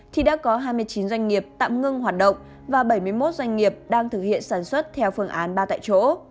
thì đã có hai mươi chín doanh nghiệp tạm ngưng hoạt động và bảy mươi một doanh nghiệp đang thực hiện sản xuất theo phương án ba tại chỗ